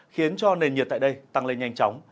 khiến cho nền nhiệt tại đây tăng lên nhanh chóng